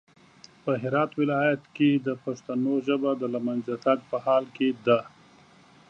په هرات ولايت کې د پښتنو ژبه د لمېنځه تګ په حال کې ده